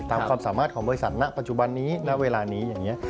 ความสามารถของบริษัทณปัจจุบันนี้ณเวลานี้อย่างนี้